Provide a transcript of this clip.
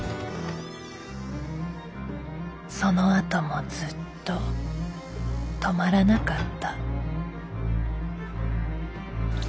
そのあともずっと止まらなかった。